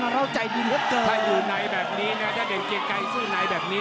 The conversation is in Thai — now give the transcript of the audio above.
ถ้ายุ่นไนน์แบบนี้ถ้าเดียงเกียงไก่ยินรสในนายแบบนี้